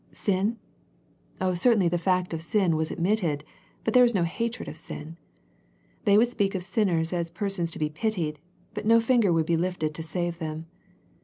Sin? Oh certainly the fact of sin was ad mitted, but there was no hatred of sin. They would speak of sinners as persons to be pitied, but no finger would be lifted to save them.